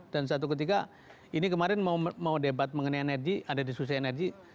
dan satu ketika ini kemarin mau debat mengenai energi ada diskusi energi